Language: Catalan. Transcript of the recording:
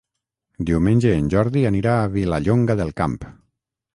Diumenge en Jordi anirà a Vilallonga del Camp.